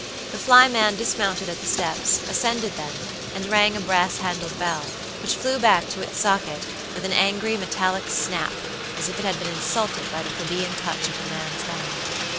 The flyman dismounted at the steps, ascended them, and rang a brass handled bell, which flew back to its socket, with an angry, metallic snap, as if it had been insulted by the plebeian touch of the man's hand.